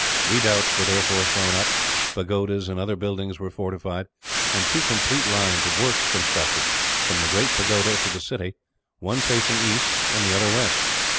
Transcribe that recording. Redoubts were therefore thrown up, pagodas and other buildings were fortified; and two complete lines of works constructed, from the great pagoda to the city, one facing east and the other west.